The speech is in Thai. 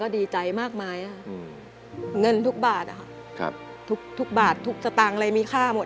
ก็ดีใจมากมายอืมเงินทุกบาทครับทุกทุกบาททุกสตางค์อะไรมีค่าหมด